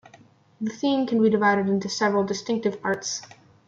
The theme can be divided into several distinctive parts.